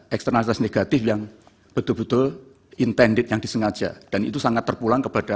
eksternalitas negatif yang betul betul intended yang disengaja dan itu sangat terpulang kepada